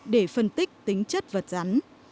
để phân tích tính chất vật rắn